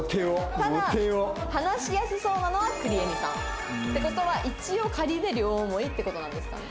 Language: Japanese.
ただ話しやすそうなのはくりえみさん。って事は一応仮で両思いって事なんですかね。